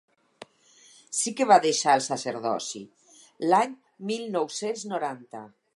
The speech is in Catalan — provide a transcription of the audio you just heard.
Sí que va deixar el sacerdoci, l’any mil nou-cents noranta.